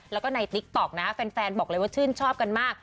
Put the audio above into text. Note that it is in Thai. แล้วก็ในติ๊กต๊อกนะแฟนบอกเลยว่าชื่นชอบกันมาก